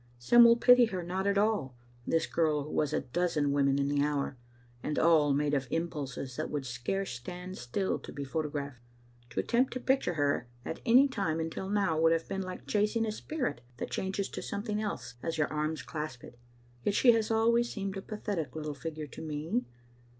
Some will pity her not at all, this girl who was a dozen women in the hour, and all made of impulses that would scarce stand still to be photographed. To attempt to picture her at any time until now would have been like chasing a spirit that changes to something else as your arms clasp it ; yet she has always seemed a pathetic little figure to me.